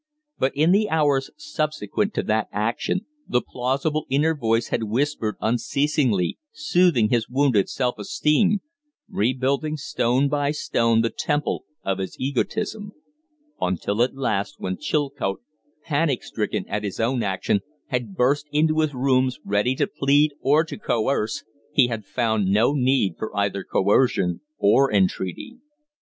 But in the hours subsequent to that action the plausible, inner voice had whispered unceasingly, soothing his wounded self esteem, rebuilding stone by stone the temple of his egotism; until at last when Chilcote, panic stricken at his own action, had burst into his rooms ready to plead or to coerce, he had found no need for either coercion or entreaty.